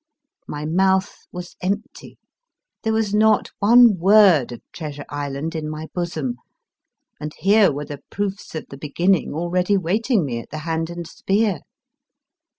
My mouth was empty ; there was not one word of Treasure Island in my bosom ; and here were the proofs of the beginning already waiting me at the Hand and Spear